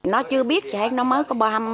nó chưa biết chẳng hạn nó mới có bò hầm